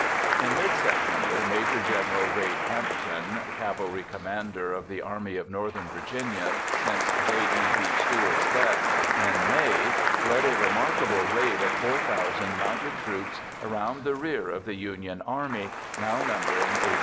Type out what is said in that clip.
In mid September, Maj. Gen. Wade Hampton, cavalry commander of the Army of Northern Virginia since J. E. B. Stuart's death in May, led a remarkable raid of 4,000 mounted troops around the rear of the Union army, now numbering 80,000.